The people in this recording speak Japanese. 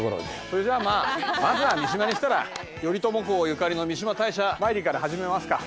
それじゃあまあまずは三島に来たら頼朝公ゆかりの三嶋大社参りから始めますか。